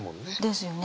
ですよね。